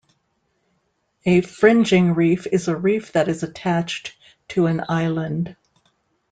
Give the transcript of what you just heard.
A fringing reef is a reef that is attached to an island.